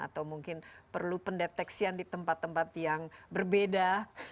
atau mungkin perlu pendeteksian di tempat tempat yang berbeda